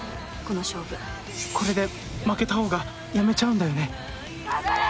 これで負けたほうが辞めちゃうんだよね。